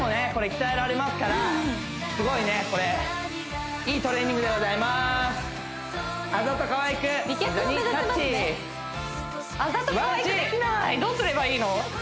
鍛えられますからすごいねこれいいトレーニングでございますあざとかわいく膝にタッチ美脚も目指せますねどうすればいいの？